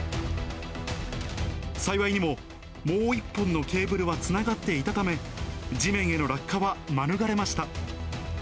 幸いにももう１本のケーブルはつながっていたため、地面への落下は免れました。